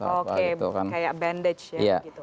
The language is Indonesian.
oke kayak bandage ya gitu